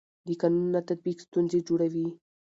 د قانون نه تطبیق ستونزې جوړوي